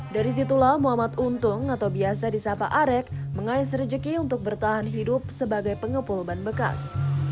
dari situlah muhammad untung atau biasa disapa arek mengais rejeki untuk bertahan hidup sebagai pengepul ban bekas